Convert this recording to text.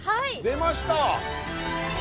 出ました。